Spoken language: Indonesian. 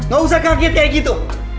gak usah kaget kayak gitu